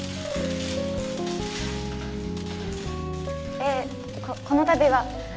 ええこのたびは